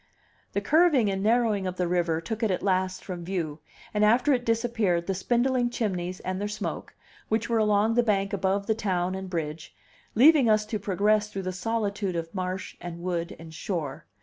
The curving and the narrowing of the river took it at last from view; and after it disappeared the spindling chimneys and their smoke, which were along the bank above the town and bridge, leaving us to progress through the solitude of marsh and wood and shore.